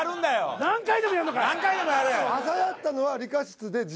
何回でもやれ！